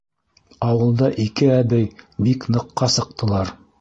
Ауылда ике әбей бик ныҡҡа сыҡтылар.